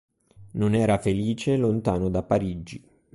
Non era felice lontano da Parigi.